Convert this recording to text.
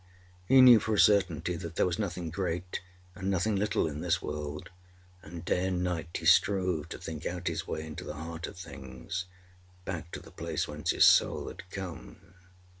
He knew for a certainty that there was nothing great and nothing little in this world: and day and night he strove to think out his way into the heart of things, back to the place whence his soul had come.